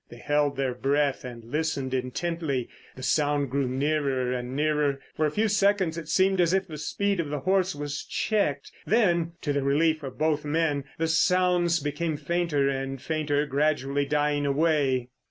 They held their breath and listened intently. The sound grew nearer and nearer; for a few seconds it seemed as if the speed of the horse was checked. Then, to the relief of both men, the sounds became fainter and fainter, gradually dying away.